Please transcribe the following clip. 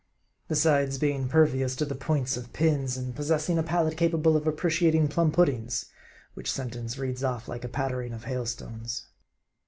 Besides being pervious to the points of pins, and possessing a palate capable of appreciating plum puddings : which sentence reads off like a pattering of hailstones.